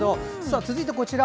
続いて、こちら。